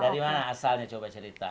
dari mana asalnya coba cerita